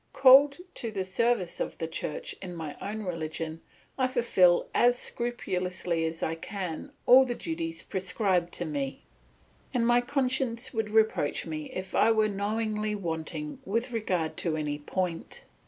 Called to the service of the Church in my own religion, I fulfil as scrupulously as I can all the duties prescribed to me, and my conscience would reproach me if I were knowingly wanting with regard to any point.